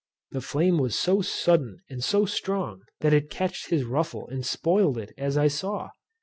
The flame was so sudden and so strong, that it catched his ruffle and spoiled it, as I saw.